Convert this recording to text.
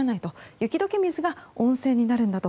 雪解け水が温泉になるんだと。